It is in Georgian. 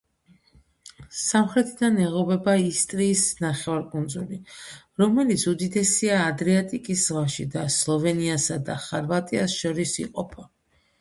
სამხრეთიდან ეღობება ისტრიის ნახევარკუნძული, რომელიც უდიდესია ადრიატიკის ზღვაში და სლოვენიასა და ხორვატიას შორის იყოფა.